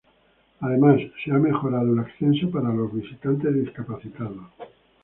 Además, se ha mejorado el acceso para los visitantes discapacitados.